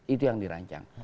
itu yang dirancang